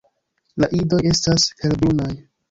La idoj estas helbrunaj.